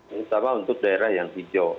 terutama untuk daerah yang hijau